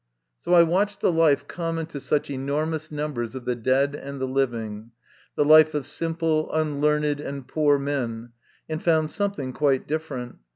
So I watched the life common to such enormous numbers of the dead and the living, the life of simple, unlearned, and poor men, and found something quite different.